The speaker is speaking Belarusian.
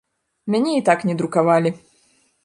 Мяне і так не друкавалі.